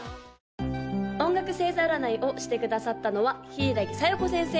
・音楽星座占いをしてくださったのは柊小夜子先生！